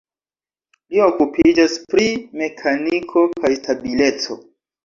Li okupiĝas pri mekaniko kaj stabileco.